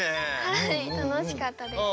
はい楽しかったです。